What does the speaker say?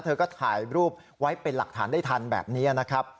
เธอก็ถ่ายรูปไว้เป็นหลักฐานได้ทันแบบนี้นะครับ